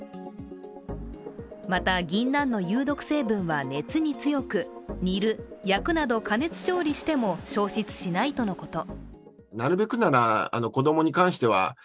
また、ぎんなんの有毒成分は熱に強く煮る、焼くなど加熱調理しても消失しないとのこと。